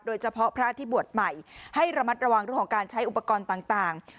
เฉพาะพระที่บวชใหม่ให้ระมัดระวังเรื่องของการใช้อุปกรณ์ต่าง